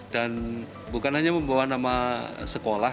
dan bukan hanya membawa nama sekolah